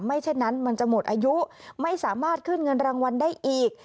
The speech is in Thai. เช่นนั้นมันจะหมดอายุไม่สามารถขึ้นเงินรางวัลได้อีก